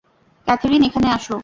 Catherine, এখানে আস।